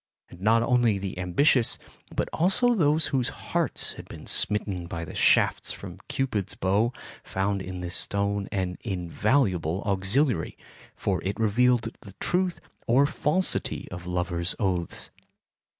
And not only the ambitious, but also those whose hearts had been smitten by the shafts from Cupid's bow found in this stone an invaluable auxiliary, for it revealed the truth or falsity of lover's oaths.